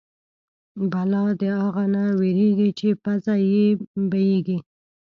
بلا د اغه نه وېرېږي چې پزه يې بيېږي.